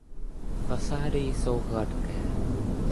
Fasády jsou hladké.